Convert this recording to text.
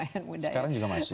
sekarang juga masih